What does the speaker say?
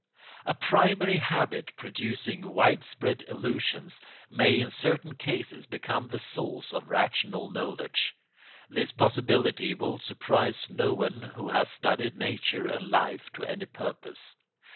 ] A primary habit producing widespread illusions may in certain cases become the source of rational knowledge. This possibility will surprise no one who has studied nature and life to any purpose.